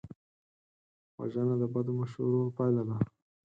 وژنه د بدو مشورو پایله ده